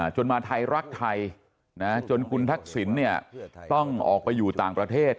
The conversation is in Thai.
จนมาไทยรักไทยจนคุณทักษิณต้องออกไปอยู่ต่างประเทศ